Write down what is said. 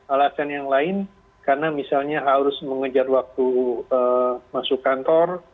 alasan yang lain karena misalnya harus mengejar waktu masuk kantor